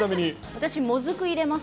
私、もずく入れます。